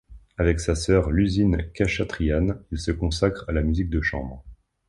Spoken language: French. Avec sa sœur Lusine Khachatryan il se consacre à la musique de chambre.